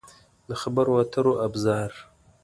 د خبرو اترو ابزار